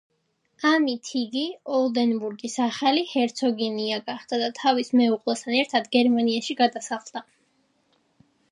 ამით იგი ოლდენბურგის ახალი ჰერცოგინია გახდა და თავის მეუღლესთან ერთად გერმანიაში გადასახლდა.